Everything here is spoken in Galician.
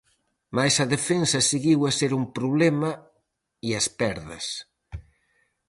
Mais a defensa seguiu a ser un problema e as perdas.